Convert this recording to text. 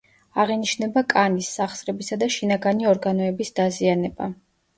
აღინიშნება კანის, სახსრებისა და შინაგანი ორგანოების დაზიანება.